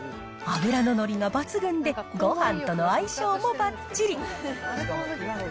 脂の乗りが抜群で、ごはんとの相性もばっちり。